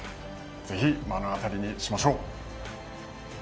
ぜひ目の当たりにしましょう！